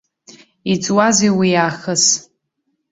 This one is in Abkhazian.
Иҵуазеи уиаахыс?